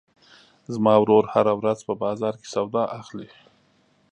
زما ورور هره ورځ په بازار کې سودا اخلي.